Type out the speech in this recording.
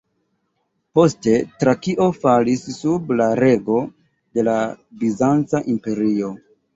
Poste, Trakio falis sub la rego de la Bizanca Imperio.